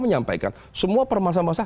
menyampaikan semua permasalahan bangsa